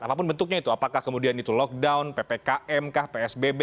apapun bentuknya tournament itu lockdown pfkm kah psbb